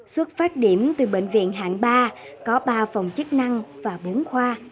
xuất phát điểm từ bệnh viện hạng ba có ba phòng chức năng và bốn khoa